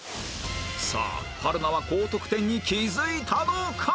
さあ春菜は高得点に気づいたのか？